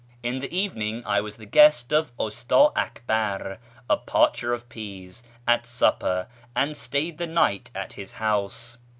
In the evening I was the guest of Usta Akbar, the parcher of peas, at supper, and stayed the night at his house.